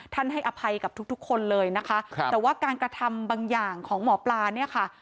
ให้อภัยกับทุกทุกคนเลยนะคะครับแต่ว่าการกระทำบางอย่างของหมอปลาเนี่ยค่ะ